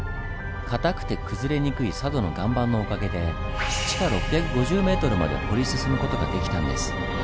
かたくて崩れにくい佐渡の岩盤のおかげで地下６５０ｍまで掘り進む事ができたんです。